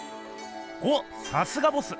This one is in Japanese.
おっさすがボス！